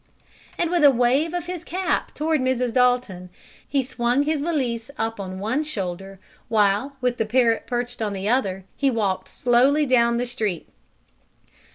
And with a wave of his cap toward Mrs. Dalton, he swung his valise up on one shoulder while, with the parrot perched on the other, he walked slowly down the street.